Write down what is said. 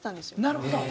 なるほど！